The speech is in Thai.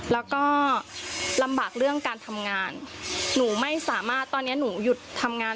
แล้วก็ลำบากเรื่องการทำงานหนูไม่สามารถตอนนี้หนูหยุดทำงาน